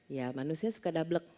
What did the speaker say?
ya manusia suka dablek